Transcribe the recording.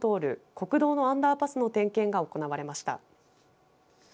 国道のアンダーパスの点検が行われました。